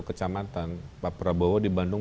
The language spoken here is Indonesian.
kecamatan pak prabowo di bandung